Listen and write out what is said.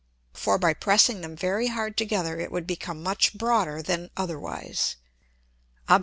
For by pressing them very hard together it would become much broader than otherwise. _Obs.